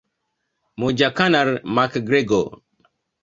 MojaConor McGregor